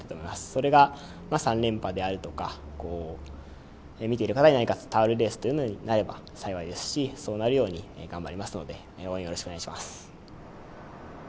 それが３連覇であるとか、見ている方に何か伝わるレースというのになれば幸いですし、そうなるように頑張りますので応援、よろしくお願いします。